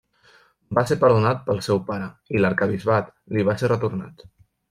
Va ser perdonat pel seu pare, i l'arquebisbat li va ser retornat.